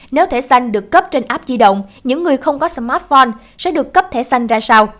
nếu thẻ xanh được cấp trên app di động những người không có smartphone sẽ được cấp thẻ xanh ra sao